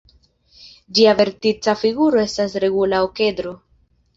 Ĝia vertica figuro estas regula okedro.